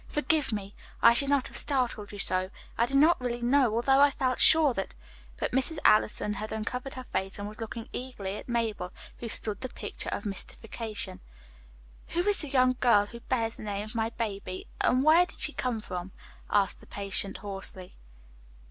"Forgive me. I should not have startled you so. I did not really know, although I felt sure that " But Mrs. Allison had uncovered her face and was looking eagerly at Mabel, who stood the picture of mystification. "Who is that young girl who bears the name of my baby, and where did she come from?" asked the patient hoarsely.